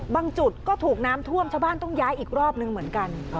จุดก็ถูกน้ำท่วมชาวบ้านต้องย้ายอีกรอบนึงเหมือนกัน